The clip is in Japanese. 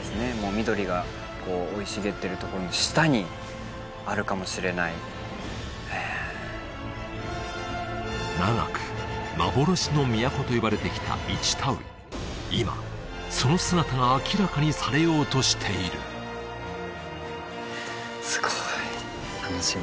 緑が生い茂ってるところの下にあるかもしれない長く幻の都と呼ばれてきたイチタウイ今その姿が明らかにされようとしているすごい楽しみ